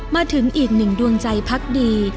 มาถึงอีกหนึ่งดวงใจพักดี